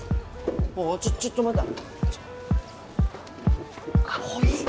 おおいちょっちょっと待った。